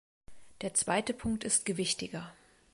Der zweite Punkt ist gewichtiger.